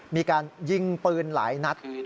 มีการยิงปืนหลายนัด